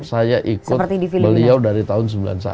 saya ikut beliau dari tahun seribu sembilan ratus sembilan puluh satu